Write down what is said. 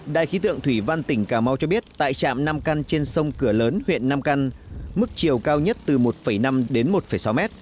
đài khí tượng thủy văn tỉnh cà mau cho biết tại trạm nam căn trên sông cửa lớn huyện nam căn mức chiều cao nhất từ một năm đến một sáu m